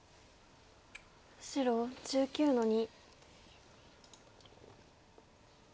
白１９の二。